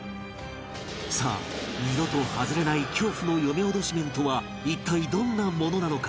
さあ二度と外れない恐怖の嫁おどし面とは一体どんなものなのか？